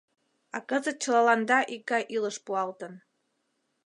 А кызыт чылаланда икгай илыш пуалтын.